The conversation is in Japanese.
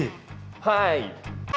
はい。